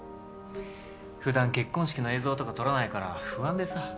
ふだん結婚式の映像とか撮らないから不安でさ。